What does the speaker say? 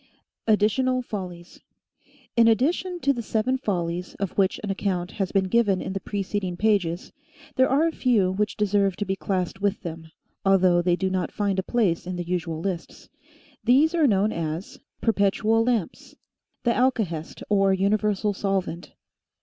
ADDITIONAL "FOLLIES" IN addition to the seven " Follies," of which an account has been given in the preceding pages, there are^ar^few which deserve to be classed with them, although they do not find a place in the usual lists. These are known as PERPETUAL LAMPS. THE ALKAHEST OR UNIVERSAL SOLVENT.